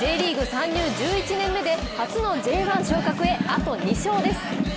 参入１１年目で初のＪ１昇格へ、あと２勝です。